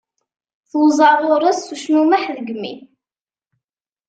Tuẓa ɣer ɣur-s s ucmumeḥ deg imi.